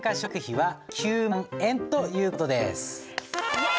はい。